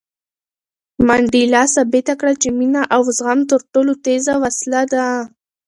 منډېلا ثابته کړه چې مینه او زغم تر ټولو تېزه وسله ده.